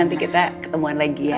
nanti kita ketemuan lagi ya